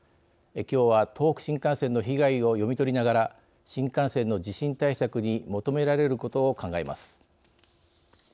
きょうは東北新幹線の被害を読み取りながら新幹線の地震対策に求められることを考えます。